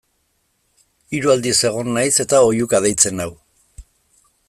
Hiru aldiz egon naiz eta oihuka deitzen nau.